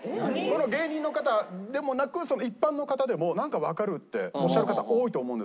芸人の方でもなく一般の方でも「なんかわかる」っておっしゃる方多いと思うんですけども。